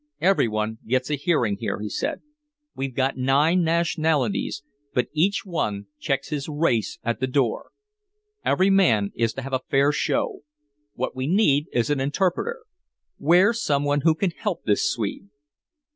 "Everyone gets a hearing here," he said. "We've got nine nationalities, but each one checks his race at the door. Every man is to have a fair show. What we need is an interpreter. Where's someone who can help this Swede?"